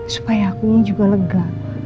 supaya akunya juga lega